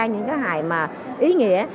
những cái hài mà ý nghĩa